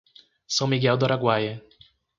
São Miguel do Araguaia